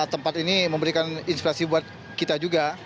tempat ini memberikan inspirasi buat kita juga